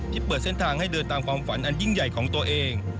เปิดเส้นทางให้เดินตามความฝันอันยิ่งใหญ่ของตัวเอง